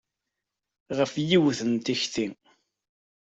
Ɣef yiwet n tikti.